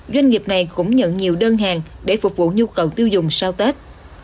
doanh nghiệp này cũng nhận nhiều đơn hàng để phục vụ nhu cầu tiêu dùng sau tết